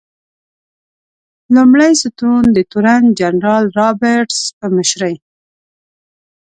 لومړی ستون د تورن جنرال رابرټس په مشرۍ.